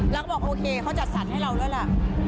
แล้วก็บอกโอเคเขาจัดสรรให้เราแล้วล่ะ